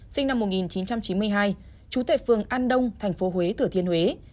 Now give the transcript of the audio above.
sinh năm một nghìn chín trăm chín mươi hai trú tệ phường an đông tp huế thừa thiên huế